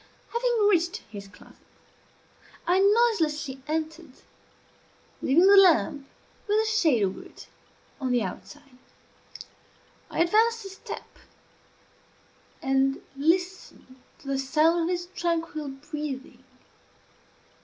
Having reached his closet, I noiselessly entered, leaving the lamp, with a shade over it, on the outside. I advanced a step, and listened to the sound of his tranquil breathing.